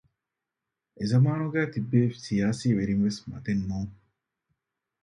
އެޒަމާނުގައި ތިއްބެވި ސިޔާސީ ވެރިންވެސް މަދެއް ނޫން